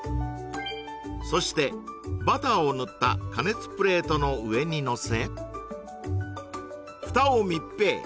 そしてバターを塗った加熱プレートの上にのせ蓋を密閉